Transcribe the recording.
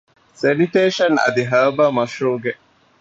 ސެނިޓޭޝަން އަދި ހާރބަރ މަޝްރޫޢުގެ